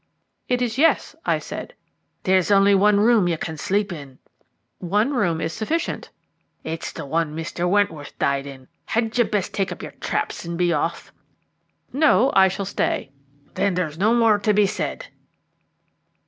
"It is 'yes,'" I said. "There's only one room you can sleep in." "One room is sufficient." "It's the one Mr. Wentworth died in. Hadn't you best take up your traps and be off?" "No, I shall stay." "Then there's no more to be said."